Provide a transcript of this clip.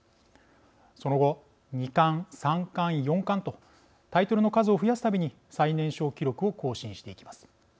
その後二冠三冠四冠とタイトルの数を増やす度に最年少記録を更新していきます。